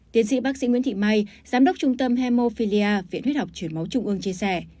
tiến sĩ bác sĩ nguyễn thị mai giám đốc trung tâm hemophilia viện huyết học truyền máu trung ương chia sẻ